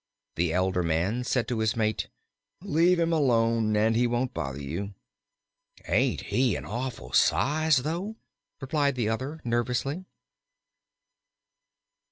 The elder man said to his mate: "Let him alone, and he won't bother you." "Ain't he an awful size, though?" replied the other, nervously.